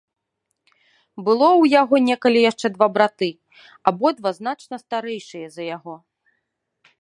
Было ў яго некалі яшчэ два браты, абодва значна старэйшыя за яго.